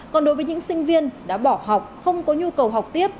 còn đối với những sinh viên đã bỏ học không có nhu cầu học tiếp